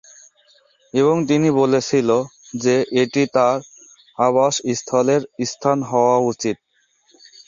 এবং তিনি বলেছিল যে এটি তার আবাসস্থলের স্থান হওয়া উচিত।